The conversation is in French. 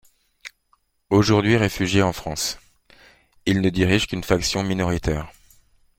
Aujourd'hui réfugié en France.il ne dirige qu'une faction minoritaire.